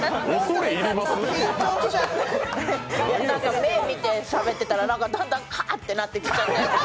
目見てしゃべってたらだんだんカーッてなってきちゃって。